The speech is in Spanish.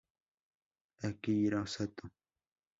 Akihiro Sato